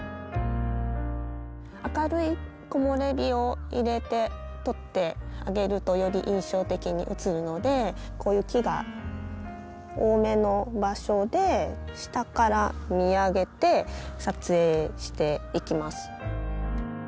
明るい木漏れ日を入れて撮ってあげるとより印象的に写るのでこういう木が多めの場所で下から見上げて撮影していきます。